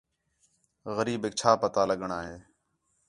غریبیک چَھا پتا لڳݨاں ہِے